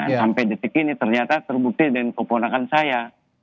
sampai detik ini ternyata terbukti dengan keponakan saya